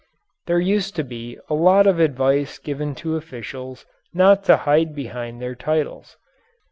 There used to be a lot of advice given to officials not to hide behind their titles.